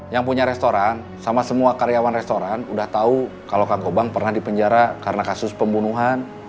yang punya restoran sama semua karyawan restoran udah tahu kalau kang gobang pernah dipenjara karena kasus pembunuhan